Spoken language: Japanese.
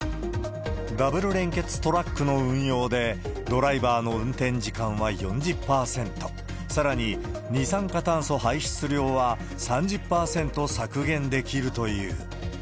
ダブル連結トラックの運用で、ドライバーの運転時間は４０％、さらに、二酸化炭素排出量は３０％削減できるという。